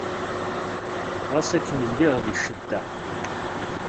Ɣas akken lliɣ di ccedda.